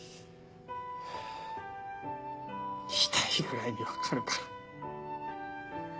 痛いぐらいに分かるから。